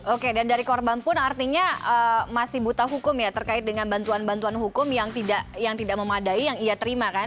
oke dan dari korban pun artinya masih buta hukum ya terkait dengan bantuan bantuan hukum yang tidak memadai yang ia terima kan